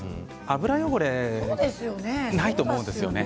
油汚れはないと思うんですよね。